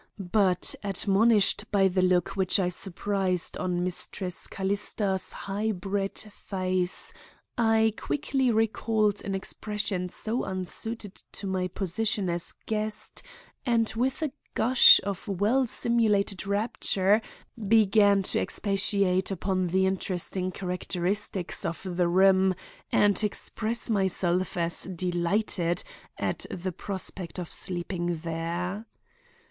But admonished by the look which I surprised on Mistress Callista's high bred face, I quickly recalled an expression so unsuited to my position as guest, and, with a gush of well simulated rapture, began to expatiate upon the interesting characteristics of the room, and express myself as delighted at the prospect of sleeping there.